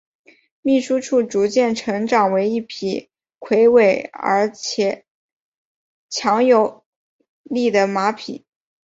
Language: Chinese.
秘书处逐渐成长为一匹魁伟且强而有力的马匹。